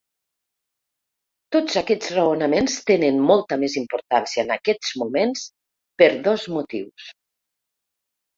Tots aquests raonaments tenen molta més importància en aquests moments per dos motius.